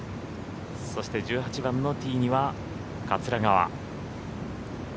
そして１８番のティーには桂川。